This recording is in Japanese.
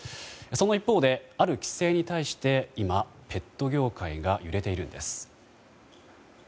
その一方である規制に対して今、ペット業界が揺れているんです。